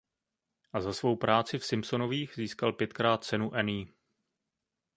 A za svou práci v Simpsonových získal pětkrát cenu Annie.